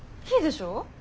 いいでしょ？